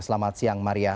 selamat siang maria